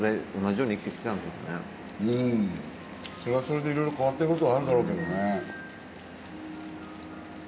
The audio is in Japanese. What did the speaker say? うんそれはそれでいろいろ変わってることはあるだろうけどね。